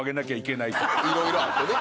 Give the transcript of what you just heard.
いろいろあってね。